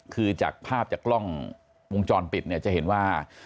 คือภาพจากกล้องวงจรปิดจะเห็นว่า